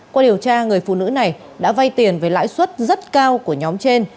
qua điều tra người phụ nữ này đã vay tiền với lãi suất rất cao của nhóm trên